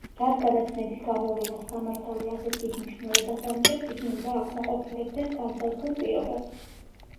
რადგანაც ნების გამოვლენას სამართალი ასეთ დიდ მნიშვნელობას ანიჭებს, იგი უნდა აკმაყოფილებდეს განსაზღვრულ პირობებს.